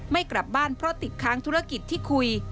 ไม่กลับบ้านเพราะติดค้างธุรกิจที่คุย